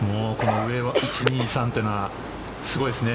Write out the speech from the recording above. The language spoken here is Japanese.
１、２、３というのはすごいですね。